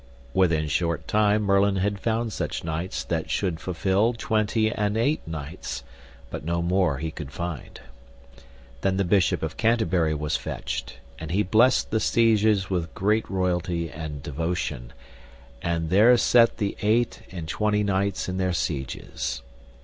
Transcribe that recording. Within short time Merlin had found such knights that should fulfil twenty and eight knights, but no more he could find. Then the Bishop of Canterbury was fetched, and he blessed the sieges with great royalty and devotion, and there set the eight and twenty knights in their sieges.